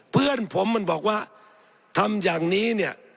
เพื่อนผมมันบอกว่าทำอย่างนี้เนี่ย